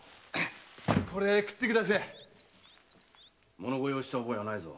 物乞いをした覚えはないぞ。